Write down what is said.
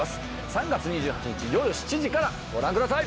３月２８日夜７時からご覧ください！